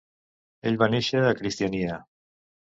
Ell va néixer a Kristiania.